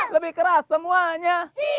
lebih keras semuanya